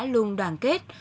luôn đoàn kết